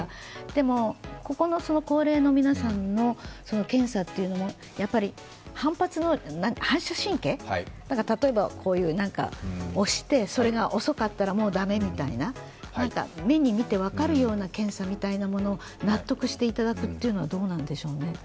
でも、ここの高齢の皆さんの検査というのも、やっぱり反射神経、例えば押して、それが遅かったらもう駄目みたいな、目に見て分かるような検査みたいなものを、納得していただくというのは、どうなんでしょうね。